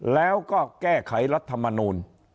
แล้วก็แก้ไขรัฐมนูล